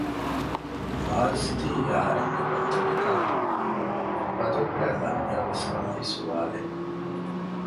މާޒްތީ އަހަރެންގެ ދޮންތަގެ ކާކު؟ ބަދަލުގައި ލަމްޔާވެސް ކޮށްލީ ސުވާލެއް